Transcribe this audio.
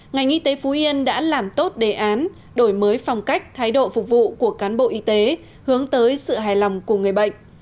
ngành y tế phú yên đã làm tốt đề án đổi mới phong cách thái độ phục vụ của cán bộ y tế hướng tới sự hài lòng của người bệnh